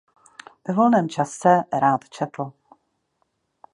Ve volném čase rád četl.